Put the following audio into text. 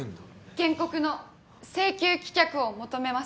原告の請求棄却を求めます。